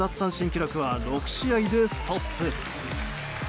記録は６試合でストップ。